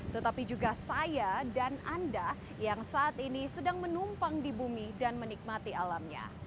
tetapi juga saya dan anda yang saat ini sedang menumpang di bumi dan menikmati alamnya